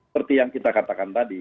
seperti yang kita katakan tadi